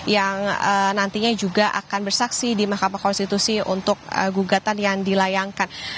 yang nantinya juga akan bersaksi di mahkamah konstitusi untuk gugatan yang dilayangkan